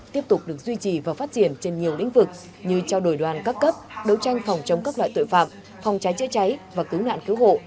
tiếp tục được duy trì và phát triển trên nhiều lĩnh vực như trao đổi đoàn các cấp đấu tranh phòng chống các loại tội phạm phòng cháy chữa cháy và cứu nạn cứu hộ